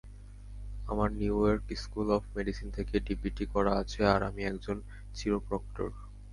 আমার New York school of medicine থেকে DPT করা আছে আর আমি একজন চিরোপ্রক্টর।